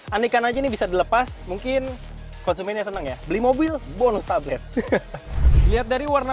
anikan aja ini bisa dilepas mungkin konsumennya senang ya beli mobil bonus tablet lihat dari warna